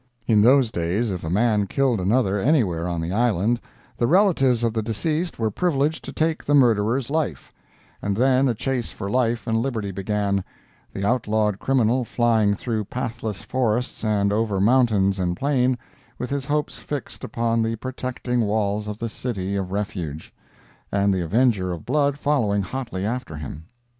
In those days, if a man killed another anywhere on the island the relatives of the deceased were privileged to take the murderer's life; and then a chase for life and liberty began—the outlawed criminal flying through pathless forests and over mountain and plain, with his hopes fixed upon the protecting walls of the City of Refuge, and the avenger of blood following hotly after him!